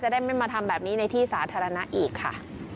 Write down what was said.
ได้ไม่มาทำแบบนี้ในที่สาธารณะอีกค่ะ